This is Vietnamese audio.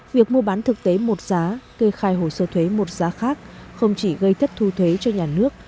việc mua bán thực tế một giá kê khai hồ sơ thuế một giá khác không chỉ gây thất thu thuế cho nhà nước